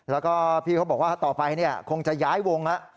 แล้วก็พี่เขาบอกว่าต่อไปคงจะย้ายวงแล้ว